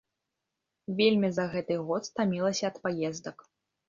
Вельмі за гэты год стамілася ад паездак.